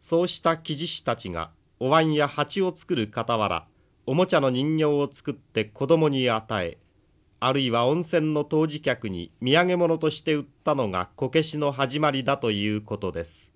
そうした木地師たちがおわんや鉢を作る傍らオモチャの人形を作って子どもに与えあるいは温泉の湯治客に土産物として売ったのがこけしの始まりだということです。